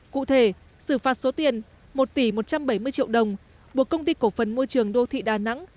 cụ thể xử phạt số tiền một tỷ một trăm bảy mươi triệu đồng buộc công ty cổ phần môi trường đô thị đà nẵng